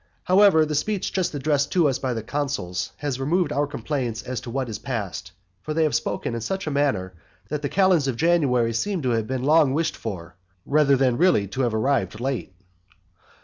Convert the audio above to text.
However, the speech just addressed to us by the consuls has removed our complaints as to what is past, for they have spoken in such a manner that the calends of January seem to have been long wished for rather than really to have arrived late.